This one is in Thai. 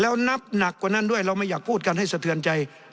แล้วนับหนักกว่านั้นด้วยเราไม่อยากพูดกันให้สะเทือนใจ